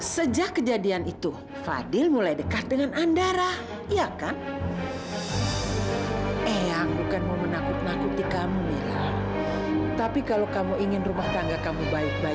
sampai jumpa di video selanjutnya